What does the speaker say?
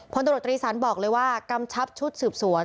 พนตรฐฤษันบอกเลยว่ากำชับชุดสืบสวน